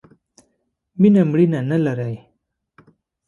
مینه مړینه نه لرئ